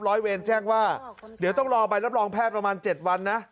ร้อยเวรแจ้งว่าเดี๋ยวต้องรอใบรับรองแพทย์ประมาณ๗วันนะ